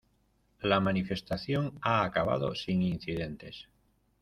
La manifestación ha acabado sin incidentes.